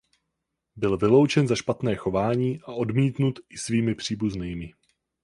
Byl vyloučen za špatné chování a odmítnut i svými příbuznými.